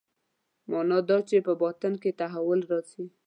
معنا دا چې په باطن کې تحول راځي.